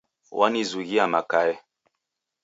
Wanizughia makae.